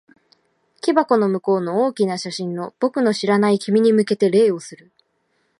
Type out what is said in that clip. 木箱の向こうの大きな写真の、僕の知らない君に向けて礼をする。